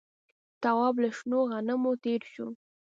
تواب له شنو غنمو تېر شو.